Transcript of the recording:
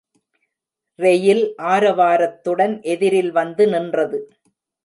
Rail ஆரவாரத்துடன் எதிரில் வந்து நின்றது.